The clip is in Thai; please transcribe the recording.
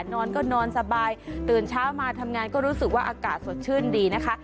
นอนก็นอนสบายตื่นเช้ามาทำงานก็รู้สึกว่าอากาศสดชื่นดีนะคะ